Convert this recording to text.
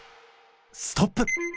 ストップ！